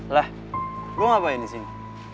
lah lo ngapain disini